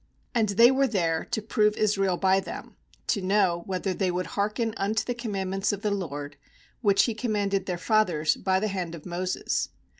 4And they were there, to prove Israel by them, to know whether they woulc hearken unto the commandments o: the LORD, which He commanded their fathers^ by the hand of Moses.